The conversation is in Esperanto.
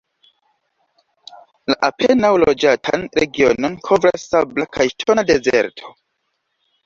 La apenaŭ loĝatan regionon kovras sabla kaj ŝtona dezerto.